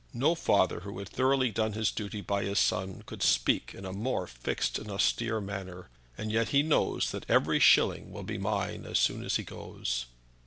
No father who had thoroughly done his duty by his son, could speak in a more fixed and austere manner. And yet he knows that every shilling will be mine as soon as he goes."